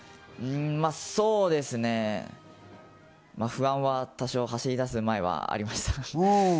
そうですね、不安は多少、走り出す前はありました。